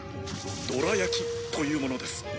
「どら焼き」というものです。